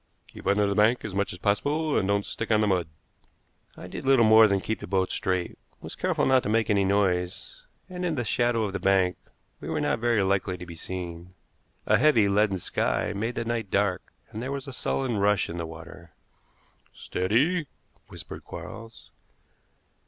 Keep under the bank as much as possible, and don't stick on the mud." I did little more than keep the boat straight, was careful not to make any noise, and in the shadow of the bank we were not very likely to be seen. A heavy, leaden sky made the night dark, and there was a sullen rush in the water. "Steady!" whispered Quarles.